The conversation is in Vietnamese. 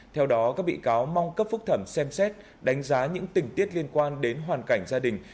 theo đó các bị cáo mong cấp phúc thẩm xem xét đánh giá những tình tiết liên quan đến hoàn cảnh gia đình